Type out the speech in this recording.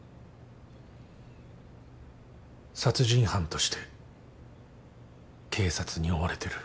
殺人犯として警察に追われてる。